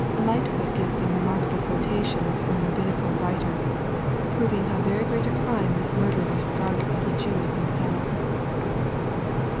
Lightfoot gives some remarkable quotations from Rabbinical writers, proving how very great a crime this murder was regarded by the Jews themselves.